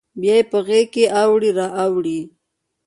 بیا یې په غیږ کې اړوي را اوړي